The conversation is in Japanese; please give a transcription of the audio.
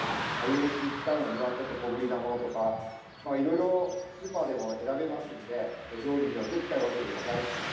めしに使うにはちょっと小ぶりなものとかいろいろスーパーでも選べますので料理によって使い分けてください。